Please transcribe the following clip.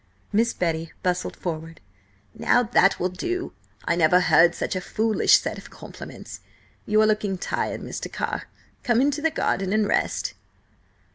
Miss Betty bustled forward. "Now that will do! I never heard such a foolish set of compliments! You are looking tired, Mr. Carr; come into the garden and rest."